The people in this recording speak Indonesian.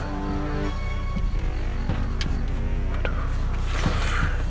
laptop gue tinggal di rumah